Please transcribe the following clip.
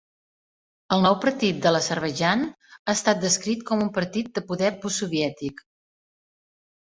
El nou partit de l'Azerbaidjan ha estat descrit com un partit de poder postsoviètic.